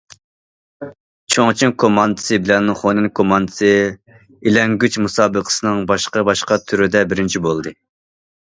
چۇڭچىڭ كوماندىسى بىلەن خۇنەن كوماندىسى ئىلەڭگۈچ مۇسابىقىسىنىڭ باشقا- باشقا تۈرىدە بىرىنچى بولدى.